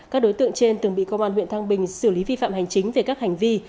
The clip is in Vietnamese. các đối tượng trên từng bị công an huyện thăng bình xử lý vi phạm hành chính về các hành vi